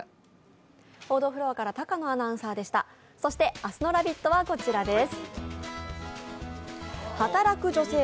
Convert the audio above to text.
そして明日の「ラヴィット！」はこちらです。